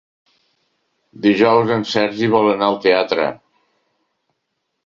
Dijous en Sergi vol anar al teatre.